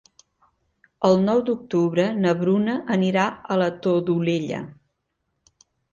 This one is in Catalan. El nou d'octubre na Bruna anirà a la Todolella.